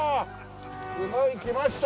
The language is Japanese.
すごいきました。